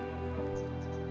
wah lagi berduaan nih